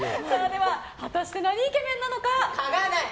では、果たしてなにイケメンなのか。